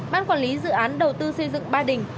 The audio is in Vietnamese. ban quản lý dự án đầu tư xây dựng ba đình